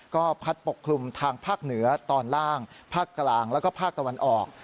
ก็พัดปกคลุมทางภาคเหนือตอนล่างภาคกลางแล้วก็ภาคตะวันออก